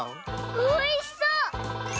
おいしそう！